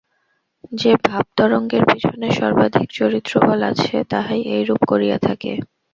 যে ভাব-তরঙ্গের পিছনে সর্বাধিক চরিত্রবল আছে, তাহাই এইরূপ করিয়া থাকে।